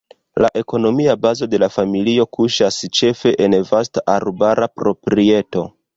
La ekonomia bazo de la familio kuŝas ĉefe en vasta arbara proprieto.